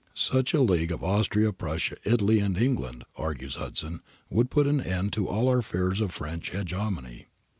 Such a league of Austria, Prussia, Italy, and England, argues Hudson, would put an end to all our fears of PVench hegemony.